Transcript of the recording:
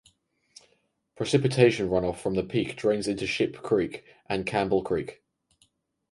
Precipitation runoff from the peak drains into Ship Creek and Campbell Creek.